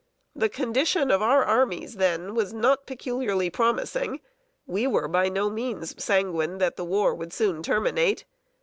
The condition of our armies then was not peculiarly promising. We were by no means sanguine that the war would soon terminate.